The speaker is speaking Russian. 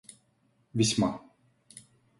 весьма